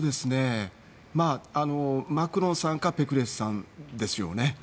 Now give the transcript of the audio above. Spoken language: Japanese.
マクロンさんかぺクレスさんですよね。